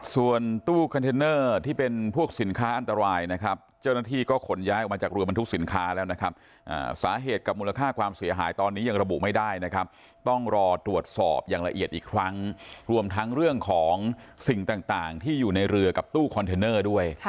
ส่วนตู้คอนเทนเนอร์ที่เป็นพวกสินค้าอันตรายนะครับเจ้าหน้าที่ก็ขนย้ายออกมาจากเรือบรรทุกสินค้าแล้วนะครับสาเหตุกับมูลค่าความเสียหายตอนนี้ยังระบุไม่ได้นะครับต้องรอตรวจสอบอย่างละเอียดอีกครั้งรวมทั้งเรื่องของสิ่งต่างที่อยู่ในเรือกับตู้คอนเทนเนอร์ด้วย